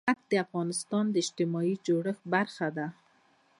نمک د افغانستان د اجتماعي جوړښت برخه ده.